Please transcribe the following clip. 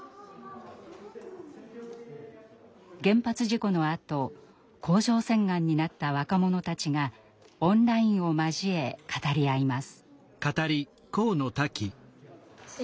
原発事故のあと甲状腺がんになった若者たちがオンラインを交え語り合います。